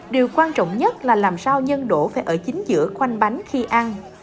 điều quan trọng nhất là làm sao nhân đổ phải ở chính giữa khoanh bánh khi ăn